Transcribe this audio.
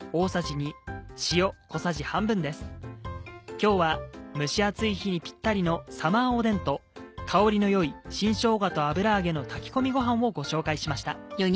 今日は蒸し暑い日にピッタリの「サマーおでん」と香りの良い「新しょうがと油揚げの炊き込みごはん」をご紹介しました。